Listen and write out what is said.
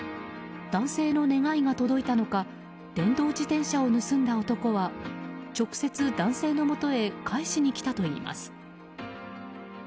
男性の願いが届いたのか電動自転車を盗んだ男は直接、男性のもとへ返しに来たといいます。